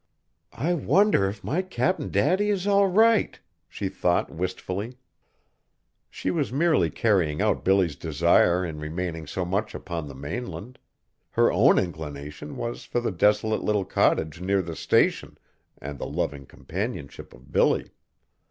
"I wonder if my Cap'n Daddy is all right?" she thought wistfully. She was merely carrying out Billy's desire in remaining so much upon the mainland; her own inclination was for the desolate little cottage near the Station, and the loving companionship of Billy.